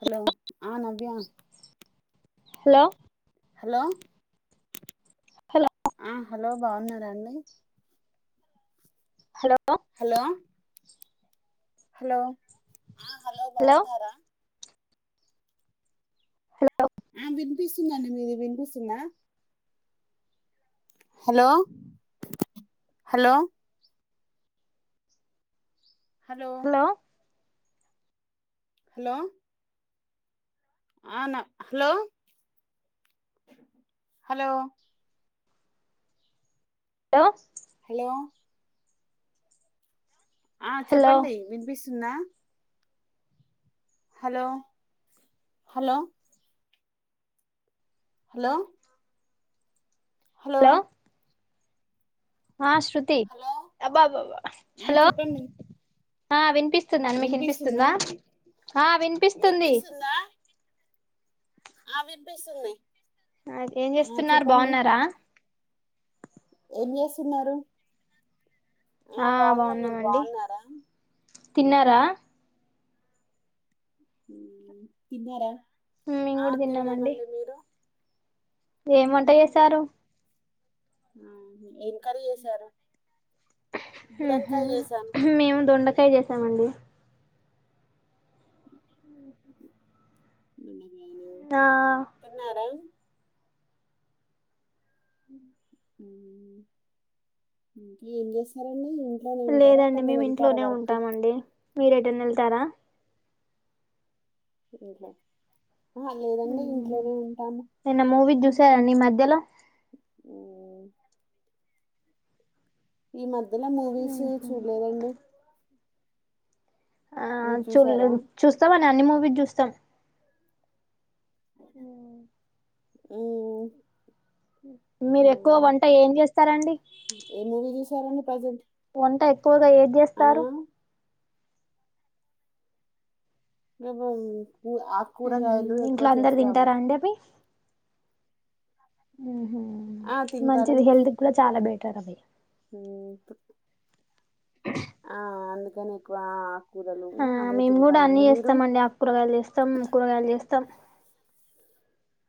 Hello ఆ Navya hello hello hello ఆ hello బాగున్నారండి హలో హలో హలో ఆ హలో బాగున్నారా హలో ఆ వినిపిస్తుందండి మీది వినిపిస్తుందా హలో హలో హలో హలో ఆ నా హలో హలో హలో హలో ఆ హలో చెప్పండి వినిపిస్తుంది వినిపిస్తుందా హలో హలో హలో హలో ఆ శృతి హలో అబ్బబాబా ఆ హలో చెప్పండి ఆ విన్ వనిపిస్తుంది మీకు వినిపిస్తుందా ఆ వినిపిస్తుంది వినిపిస్తుందా ఆ వినిపిస్తుంది అ ఏం ఆ చేస్తున్నారు, చెప్పండి బాగున్నారా? ఏం చేస్తున్నారు? ఆ బాగున్నాం మీరు బాగున్నారా తిన్నారా తిన్నారా మేము ఆ కూడా తిన్నామండి మీరు ఏం వంట చేశారు? ఆ ఏం కర్రీ చేసారు? ఉ హు మేము దొండ ట్రై చేసామండి [inaudible] ఆ తిన్నారా [inaudible] ఏం చేశారండీ? లేదండి, మేము ఇంట్లోనే వర్క్ ఉంటామండి మీరు ఎటన్న వెళ్తారా? ఇంట్ల ఆహా లేదండి, ఇంట్లోనే ఉంటాము తరా అండి మధ్యలో ఉ ఈ మ ఈ మధ్యలో మూవీస్ ఉహు చూడలేదు అండి ఆ చూడ చూసారా చూస్తా మండి అన్ని మూవీస్ చూస్తాం ఉ ఊ మీరు ఎక్కువ వంట ఏం చేస్తారండి ఏ మూవీ చూసారండి ప్రజెంట్ వంట ఎక్కువగా ఏది ఆ చేస్తారు రెబల్ ఇంట్లో అందరు తింటారా అండి అవి ఉహు ఆ మంచిది హెల్త్ కూడా చాలా బెట్ తర భయ్ ఉ ఆ అన్ దానీక్వ ఆ మేము కూడా అన్ని చేస్తాం అండి ఆకూరలు చేస్తాం కూరగాయలు చేస్తాం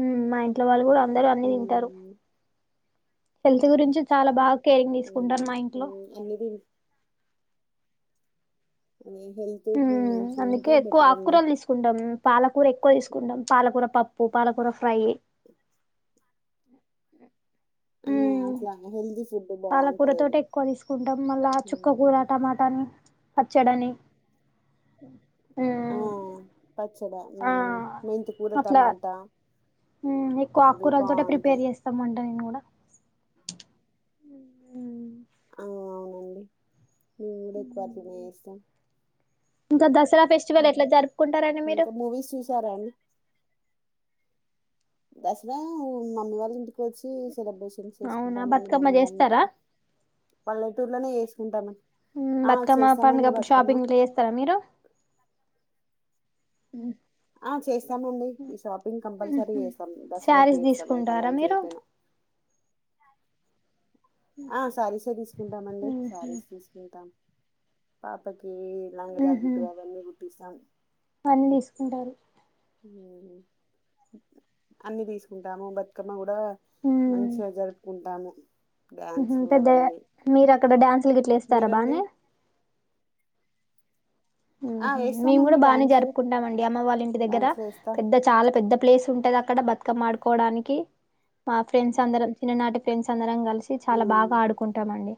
ఉమ్ మా ఇంట్లో వాళ్ళు కూడా అందరూ అన్ని ఉమ్ తింటారు హెల్త్ గురించి చాలా బాగా కేరింగ్ తీసుకుంటారు మా ఉ ఇంట్లో అన్ని తిన్ హెల్త్ ఉమ్ మంచిగా అందుకే ఉంటే ఎక్కువ బెటర్ అండి ఆకూరలు తీసుకుంటాం పాలకూర ఎక్కువ తీసుకుంటాం పాలకూర పప్పు పాలకూర ఫ్రై అ ఆ ఉమ్ అట్లా హెల్తీ ఫుడ్ పాలకూర బాగుంటది అది తోటే ఎక్కువ తీసుకుంటాం మళ్ళా చుక్కకూర ఉమ్, టమాటాని పచ్చడని ఆ ఉమ్ ప డ ఆ మెయింత కూర అట్లా టమాటా ఉమ్ ఎక్కువ అవి ఆకుకూరలతోటే ప్రిపేర్ బాగుంటాయి చేస్తాంమంట కూడా ఉమ్ అవు ఆ అవునండి నువవు కూడా ఎక్కువచమ ఇస్తాం ఇంకా దస్ దసరా ఫెస్టివల్ ఎట్లా జరుపుకుంటారండి మీరు ఇంకా మూవీస్ చూసారా అండి దసరా మమ్మి వాళ్ళు ఇప్పి చ్చి సెలబ్రేషన్ అవునా చేసుకుంటాం బతుకమ్మ మమ్మీ వాళ్ళ చేస్తారా ఇంటి పల్లె లోనే చేసుకుంటామ ఉమ్ బతుకమ్మ పండుగప్పుడు షాపింగ్ గిట్ల చేస్తారా మీరు ఆ ఆ చేస్తామండి ఈ షాపింగ్ కంపల్సరీ ఉహు చేస్తాం దసరాకి శారీస్ చేస్తాం ఏ తీసుకుంటారా పండగనికి మీరు చేయపోయినా ఆ శారీసే తీసుకుంటాం అండి ఉహు శారీస్ తీసుకుంటాం పాపకి ఈ లంగ్ జాగిట్టు అవన్నీ కుుట్టస్తాం అన్ని తీసుకుంటారు అన్ని తీసుకుంటాము బతుకమ్మ కూడా మంచిగా జరుపుకుంటాము ఉమ్ డ్యాన్సులు పెద్ద అవన్నీ మీరు అక్కడ డ్యాన్సులు గిట్లు ఎస్తారా మీరండి బానే ఆ ఉమ్ మేము వేస్తామండి కూడా బాగానే డ్యాన్సులు జరుపుకుంటామ అండి అమ్మ వాళ్ళ ఇంటి దగ్గర డ్యాన్సులు వేస్తాం పెద్ద చాలా పెద్ద ప్లేస్ ఉంటద అక్కడ బతుకమ్మాడుకోవడానికి మా ఫ్రెండ్స్ అందరం చిన్ననాటి ఫ్రెండ్స్ అందరం గల సి చాలా ఉమ్, బాగా ఆడుకుంటాం అండి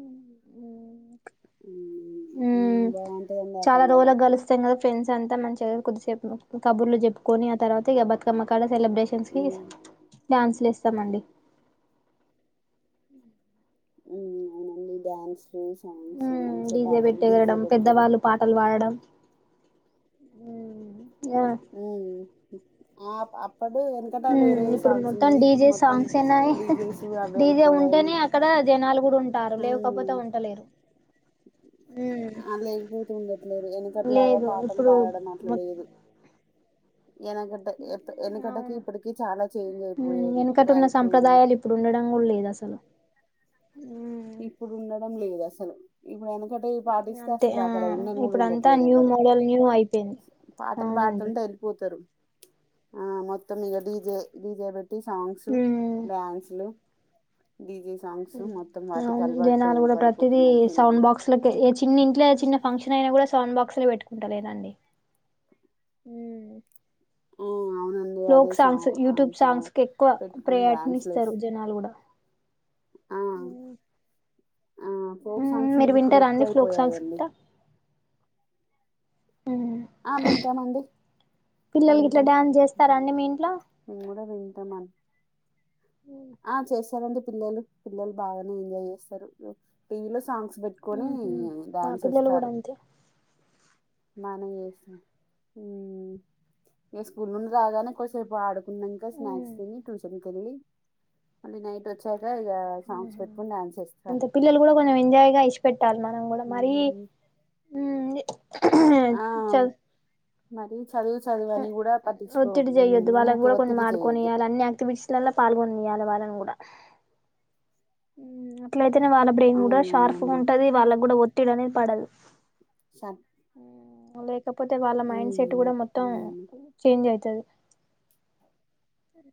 ఉమ్ ఉమ్, ఉ ఉమ్, బాగుంటుందండి ఆ చాలా పండగ రోజులు కలుస్తాం కదా ఫ్రెండ్స్ అంతా మంచిగా కొద్దిసేపు కబుర్లు చెప్పుకొని ఆ తర్వాత బతుకమ్మ కాడ సెలిబ్రషన్స్ కి ఉమ్. డాన్సుల్ వేస్తామండి ఊ ఉన్లీ డ్యాన్స్ సాంగ్స్ ఉమ్ మంచి పాటలు డీజే పెట్టేగలడం చేయబడతారు హు హు ఆ ఆప ఇప్పుడు మొత్తం డీజే మొత్తం సాంగ్స్ అనా డీజేస్ అవే డీజే అయిపోయాయి. ఉంటేనే అక్కడ జనాలు కూడా ఉంటారు లేకపోతే హ్మ్. ఉంటలేరు హ్మ్ ఆ లేకపోతు ఉండట్లేదు వెనక అట్లాగా లేదు పాటలు ఇప్పుడు పాడడం మొ అట్లాలేదు వెనకడ్డ ఎ వెనకడ్కి అవును ఇప్పటిక చాలా చేంజ్ హ్మ్ అయిపోయింది ధ వెనకట ఉన్న అయిపోయింది సంప్రదాయాలు ఇప్పుడు ఉండడం కూడా లేదు అసలు హ్మ్ ఇప్పుడ [unintelligible] ఇక్కడ పాటిస్తే అంతే అసలు ఆ అక్కడ ఉండని కూడా ఇప్పుడంతా ఉండట్లేరు న్యూ ఎవరు మోడల్ న్యూ అయిపోయింది పాటలు అవునండి పాడుతంట వెళ్ళిపోతారు ఆ మొత్తం ఇక డీజే డీజే పెట్టి సాంగ్స్ హ్మ్ డాన్స్ లు డీజే సాంగ్స్ మా అవును జనాలు కూడా ప్రతిదీ సౌండ్ బాక్స్ లక ఏ చిన్న ఇంట్లో చిన్న ఫంక్షన్ అయినా కూడా సౌండ్ బాక్స్ లో పెట్టుకుంటా లేదండి ఓ అవును ఫోక్ సాంగ్స్ యూట్యూబ్ సాంగ్స్ కి ఎక్కువ పెట్టుకొని డ్యాన్స్లు ప్రయాటనిస్తారు వేసి జనాలు కూడా ఆ ఆ ఫోక్ సాంగ్స్ ఇంక మీరు ఇప్పుడు వింటారా అండి ఫోక్ సాంగ్స్ ఎక్కువైపోయాయండి ఇట్లా ఆ వింటాడండి పిల్లలకి ఇట్లా డ్యాన్స్ చేస్తారా అండి మీ ఇంట్లో మేము కూడా వింటామం ఆ చేస్తారండి పిల్లలు పిల్లలు బాగానే ఎంజాయ్ చేస్తారు టీవీ లో సాంగ్స్ పెట్టుకొని ఉహు మా డ్యాన్స్ పిల్లలు కూడా ఇస్తారు అంతే బనే చేస్తాను ఉ... ఏ స్కూల్ నుండి రాగానే కొసేపు ఆడుకున్నాక స్నాక్స్ తిని ట్యూషన్ ఎల్లి మళ్ళీ నైట్ వచ్చా ఉహు అంత పిల్లలు కూడా కొంచెం ఎంజాయ్ గా ఇడిషి పెట్టాలి మనం కూడా మరి ఉహుహు. ఉంది ఆ చల్ మరి చదువు చదువు అని కూడా పట్టించుకో ఒత్తిడి చెయొద్దు వాళ్ళకి ఊకే కూడా కొన్ని ఒత్తిడి చేయొద్దు మాడుకొయాలి అన్ని యాక్టివిటీస్లలో పాల్గొనియాలి వాళ్ళని కూడా ఉ... అట్లా వాళ్ళ బ్రెయిన్ కూడా షార్ప్ గా అవునవునమ్మీ ఉంటుది వాళ్ళ కూడా ఒత్తిడి అనే పడది సత్ మలే కపోతే వాళ్ళ మైండ్ సెట్ కూడా మొత్తం చేంజ్ అయితది సరీ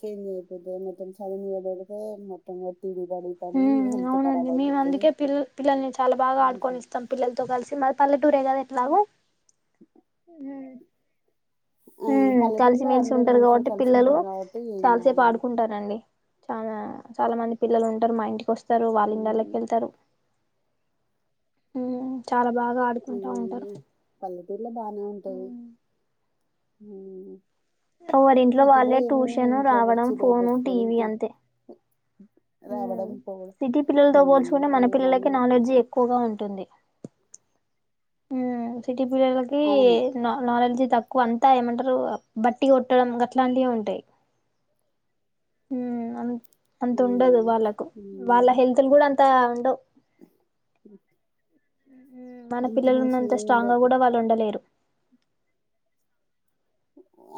చేంజ్ అయిపోతే మొత్తం చదివితే మొత్తం ఒత్తిడి పడి పడి ఉమ్ హెల్త్ అవునండి ఖరాబ్ మేము అయిపోతది అందుకే పిల్ల పిల్లల్ని చాలా బాగా ఆడుకొని ఇస్తాం పిల్లలతో కలిసి మరి పల్లె టురే కదా ఎట్లాగ ఉమ్ ఆ ఉమ్ పల్లెటూరులో కలిసిమెలిసి అందరు ఉంటారు మంచిగా కాబట్టి కలిసి పిల్లలు ఉంటారు కాబట్టి ఏం చాలాసేపు కాదండి ఆడుకుంటారండి చానా చాలా మంది పిల్లలు ఉంటారు మా ఇంటికోస్ తరు వాళ్ళింళ్ళకి వెళ్తారు ఉమ్ చాలా బాగ ఆడుకుంటా ఉంటారు ఎలా బానే ఉంటది ఉమ్ ఎవరింట్లో వాళ్ళే ట్యూషను ఇంట్లోకి రావడం వచ్చి డోర్ ఫోను పెట్టుకోవడం టీవీ టీ అంతే ఉమ్ రావడం పోవడం సిటీ పిల్లలతో హ్మ్ పోల్చుకుంటే మన అవి పిల్లలకి పనులు నాలెడ్జ్ అవును ఎక్కువగా ఉంటుంది ఉ చి టి పిల్లలకి అవునండి న నారెల్జీ తక్కువ అంతా ఏమంటారు బట్టి కొట్టడం గట్లాంటియే ఉంటాయి ఉమ్ అన్ అంత ఉండదు వాళ్ళకు వాళ్ళ హ్మ్ హెల్త్లు కూడా అన్ తాండు [inaudible] ఉమ్ మన అంత పిల్లలు మంచిగా ఉన్నంత ఏమి స్ట్రాంగ్ గా ఉండవు కూడా వాళ్ళుండలేరు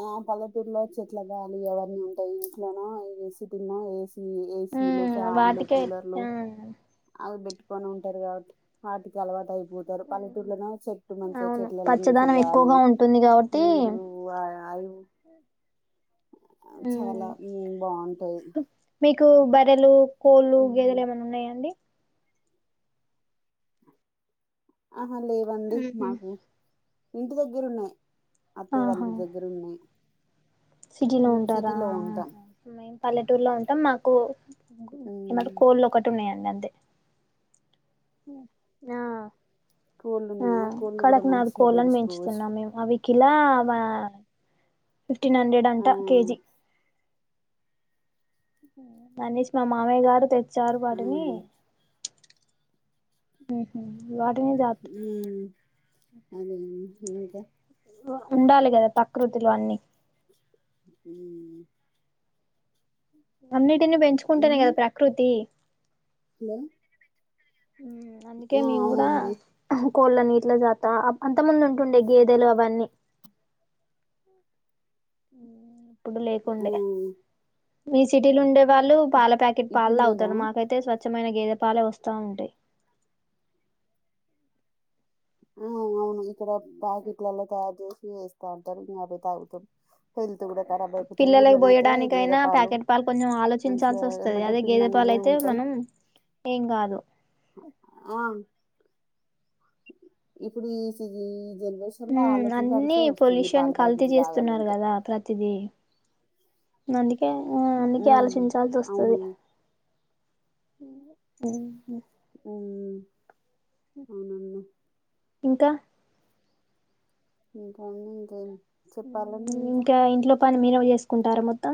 ఆ పల్లెటూరులో చెట్ల గాలి అవ్వన్నీవుంటాయి ఇంట్లోనో ఏ సిటినో ఏసి ఈ ఏసిలు ఉమ్ ఫ్యాన్లు వాటికే కూలర్లు ఆ అవి బీట్ కొని ఉంటారు కా వాటికి అలవాటై పోతారు పల్లెటూళ్లోన చెట్టు మంచిగా అవును చెట్లలో నుంచి పచ్చదనం గాలి ఎక్కువగా ఉంటుంది కాబట్టి నీరు అ అయ్ ఉమ్ చాలా ఉమ్ బాగుంటాది కు బరెలు కోళ్లు గేదెలు ఏమన్నా ఉన్నాయాండి అ లేవండి ఉహు మాకు ఇంటి దగ్గర ఉన్నాయి అత్తయ ఆహా వాళ్లంటిదగ్గర ఉన్నాయి సిటీలో మేము ఉంటారా సిటీలో అమ్ ఉంటాం పల్లెటూరులో అంటాం మాకు మ్మ్ ఏందంటే కోళ్ళు ఒకటి ఉన్నాయండి అంతే ఆ కోళ్ళు ఆ ఉన్నాయా కోళ్ళు కూడా కడకి నాది మంచిగా కోళ్ళని పెంచుకోవచ్చు పెంచుతున్నాము అవికిలా మా ఉ ఫిఫ్టీన్ హండ్రెడ్ ఆ అంట కేజీ మనీష్ మా మామయ గారు తె చారు వాడని అదే ఉహు ఉ అదే ఇంకా వ ఉండాలి కదా పకృతులు అన్ని ఇ అన్నీ దిని పెంచుకుంటేనే మ్మ్ కదా ప్రకృతి హలో అందుకే ఆ మేము కూడా అవునండి కోళ్ళ నీట్ల జాత అంత ముందు ఉంటుండే గేదెలు అవన్నీ ఉ ఇప్పుడు ఆ లేకుండే మీ సిటీలు ఉండే వాళ్ళు పాల ప్యాకెట్ ఇప్పుడు పాాల లేవా అవుతారు మాకైతే స్వచ్ఛ కమైన గీదపాల వస్తా ఉంటాయి ఆ అవును ఇక్కడ బ్యాకెట్లలో తయారు చేసి వేస్తా ఉంటారు ఇం అభే తాగుతం పిల్లలకి పోయడానిక అయినా ప్యాకెట్ పాలు కొంచెం మంచిగా ఆలోచించాల్సి వస్తుంది ఏమంటే అదే గేదె పాలు పిండంగానే అయితే ఉంటాయి మనం ఏం కాదు ఎప్పుడు సరి ఉ అన్నిీ పొల్యూషన్ పాల కల్తీ ప్యాకెట్లు చేస్తున్నారు తాగాలంటే కదా ప్రతిదీ న ే ఆ అందుక ఉమ్, ఆలోచించాల్సి అవును వస్తుంది అవునన్న ఇంకా కానీకా చెప్పాలండి ఇంకా ఇంట్లో పని మీరే చేసుకుంటారా మొత్తం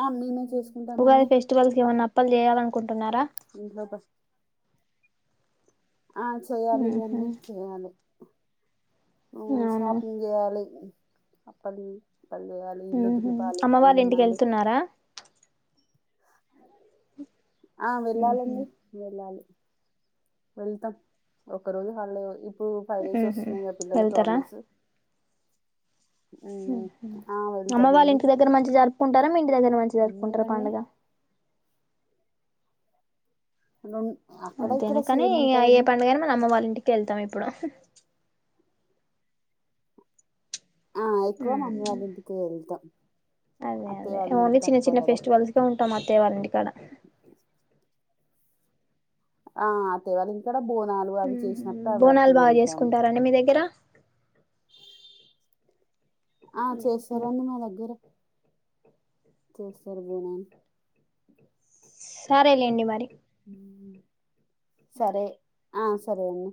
ఆ, మేమే ఉహు చేసుకుంటామండి ఉగాది ఫెస్టివల్ కేమన్న పలు చేయాలనుకుంటన్నారా ఇంట్లో పాటు ఆ చేయాలి ఉహు ఇవన్నీ చేయాలి హ్మ్మ్ అవునా షాపిింగ్ చేయాలి అప్పలి పళ్ వయాలి ఉహు ఇల్లుదులపాలి అమ్మ వాళ్ళ ఇంటికి పనుందండి వెళ్తున్నారా ఆ ఉహు వెళ్ళాలండి వెళ్ళాలి వెళ్తాం ఒక్క రోజు హాలిడే ఇప్పుడు ఫైవ్ ఉహు డేస్ వస్తున్నాయి గా పిల్లలకి వెళ్తారా హాలిడేస్ అమ్మ వాళ్ళ వెళ్తామండి ఇంటి దగ్గర మంచిగా జరుపుకుంటారా మీ ఇంటి దగ్గర మంచిగా జరుపుకుంటారా మీరండి పండుగ రొం అంతేనా కానీ ఏ పండుగనే మన అమ్మ వాళ్ళ ఇంటికి వెళ్తాం ఇప్పుడు ఏప్పుడు ఆ ఎక్కువ మమ్మీ వాళ్ళింటికి వెళ్తాం అదే అత్తయ్య అదే వాళ్ళింటికి ఓన్లీ చిన్న తక్కువ చిన్న కదా ఫెస్టివల్స్గా ఉంటాం అత్తయ్య వాళ్ళ ఇంటికాడ ఆ అత్తయ్య వాళ్ళ ఇంటికాడ బోనాలు అవి చేస బోనాలు బాగా చేసుకుంటారండి మీ దగ్గర ఆ చేస్తారండి మా దగ్గర చేస్తారు బోనాలు సరేలేండి మరి అ సరే ఆ సరే అండి